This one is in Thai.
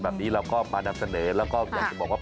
แบบนี้เราก็มานำเสนอแล้วก็อยากจะบอกว่า